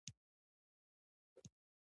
ډيپلومات د توافق لیکونه ترتیبوي.